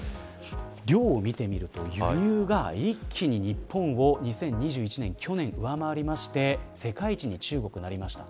量を見てみると輸入が一気に、日本を去年、上回りまして世界一に中国はなりました。